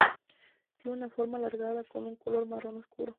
Tiene una forma alargada, con un color marrón oscuro.